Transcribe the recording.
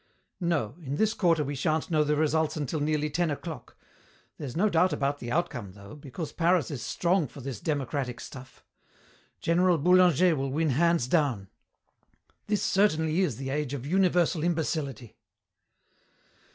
"No. In this quarter we shan't know the results until nearly ten o'clock. There's no doubt about the outcome, though, because Paris is strong for this democratic stuff. General Boulanger will win hands down." "This certainly is the age of universal imbecility."